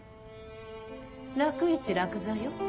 楽市楽座よ。